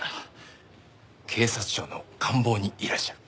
警察庁の官房にいらっしゃる。